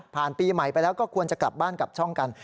ปีใหม่ไปแล้วก็ควรจะกลับบ้านกลับช่องกัน